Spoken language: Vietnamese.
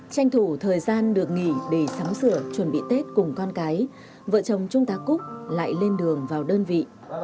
tranh thủ thời gian được nghỉ để sắm sửa chuẩn bị tết cùng con cái vợ chồng trung tá cúc lại lên đường vào đơn vị